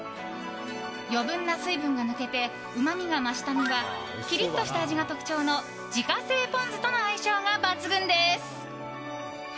余分な水分が抜けてうまみが増した身はきりっとした味が特徴の自家製ポン酢との相性が抜群です。